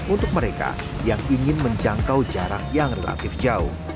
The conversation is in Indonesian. untuk mereka yang ingin menjangkau jarak yang relatif jauh